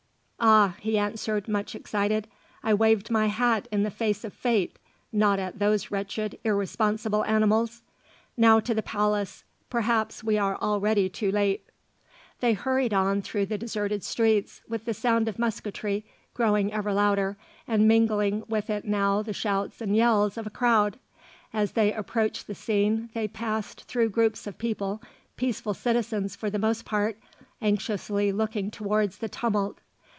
"Ah," he answered, much excited, "I waved my hat in the face of Fate, not at those wretched irresponsible animals. Now to the palace; perhaps we are already too late." They hurried on through the deserted streets with the sound of musketry growing ever louder, and mingling with it now the shouts and yells of a crowd. As they approached the scene they passed through groups of people, peaceful citizens for the most part, anxiously looking towards the tumult.